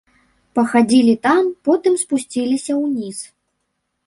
Пахадзілі там, потым спусціліся ўніз.